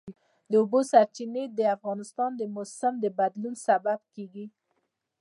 د اوبو سرچینې د افغانستان د موسم د بدلون سبب کېږي.